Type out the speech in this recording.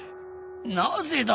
なぜだ。